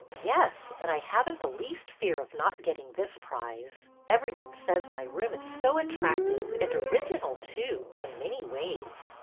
''Yes. And I haven't the least fear of not getting this prize. Every one says my room is so attractive, and original, too, in many ways."